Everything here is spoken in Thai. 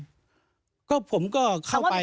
ถูกต้องพูดผมก็เข้าไป